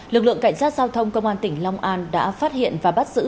lực lượng cảnh sát giao thông công an tỉnh long an đã phát hiện và bắt giữ